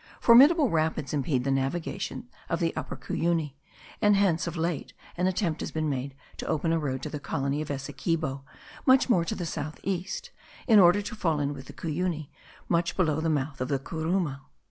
Formidable rapids impede the navigation of the Upper Cuyuni; and hence of late an attempt has been made to open a road to the colony of Essequibo much more to the south east, in order to fall in with the Cuyuni much below the mouth of the Curumu.